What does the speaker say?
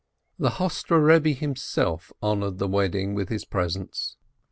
The Hostre Eebbe himself honored the wedding with his presence.